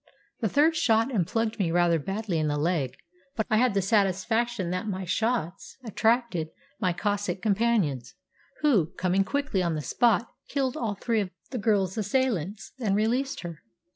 The third shot and plugged me rather badly in the leg; but I had the satisfaction that my shots attracted my Cossack companions, who, coming quickly on the spot, killed all three of the girl's assailants, and released her."